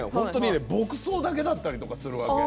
牧草だけだったりするの。